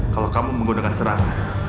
kalau kamu menggunakan serangan